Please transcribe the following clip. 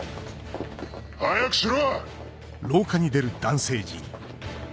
早くしろ！